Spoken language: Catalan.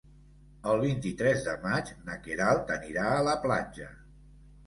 El vint-i-tres de maig na Queralt anirà a la platja.